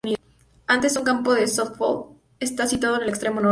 Además, un campo de sóftbol está situado en el extremo norte.